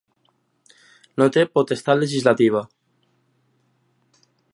No té potestat legislativa.